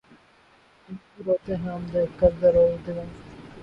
ہمیشہ روتے ہیں ہم دیکھ کر در و دیوار